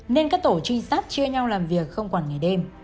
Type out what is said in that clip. nên các tổ trinh sát chưa nhau làm việc không khoảng ngày đêm